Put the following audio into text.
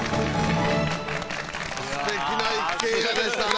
すてきな一軒家でしたね